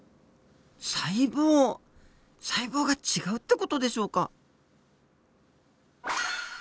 細胞が違うって事でしょうか？